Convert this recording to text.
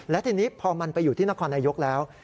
และทีนี้พอมันไปอยู่ที่นครนายกแล้ว